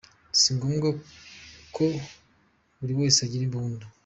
Si ngombwa ko buri wese agira imbuda.